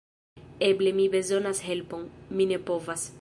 Eble mi bezonas helpon... mi ne povas...